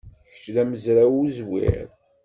Kečč d amezraw uẓwir.